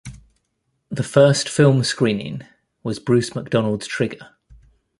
The first film screening was Bruce McDonald's "Trigger".